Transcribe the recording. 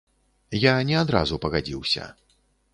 Я не адразу пагадзіўся.